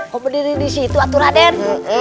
kok berdiri disitu atur raden